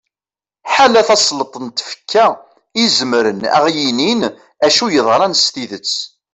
ḥala tasleḍt n tfekka i izemren ad aɣ-yinin acu yeḍran s tidet